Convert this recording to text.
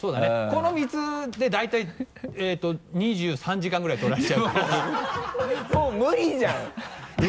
この３つで大体２３時間ぐらい取られちゃうからもう無理じゃんブレイクするの。